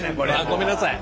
ごめんなさい。